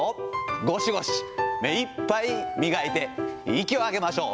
ごしごし、目いっぱい磨いて、息を上げましょう。